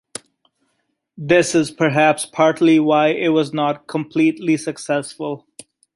This is perhaps partly why it was not completely successful.